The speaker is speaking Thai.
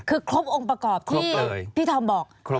คือครบองค์ประกอบที่พี่ทอมบอก